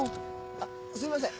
あっすいません。